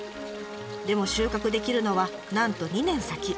でも収穫できるのはなんと２年先。